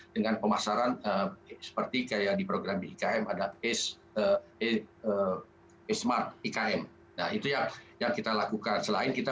dengan pemasaran seperti kayak di program ikm ada smart ikm nah itu yang kita lakukan selain kita